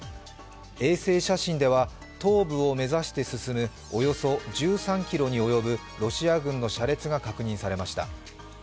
衛星写真では東部を目指して進むおよそ１３ｋｍに及ぶロシア軍の車列が確認されました。